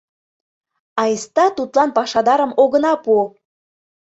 Айста тудлан пашадарым огына пу.